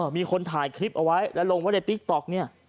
มีคนถ่ายคลิปเอาไว้แล้วลงว่าในติ๊กต๊อก